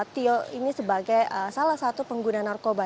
tio ini sebagai salah satu pengguna narkoba